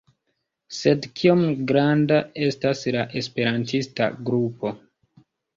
Sed kiom granda estas la esperantista grupo?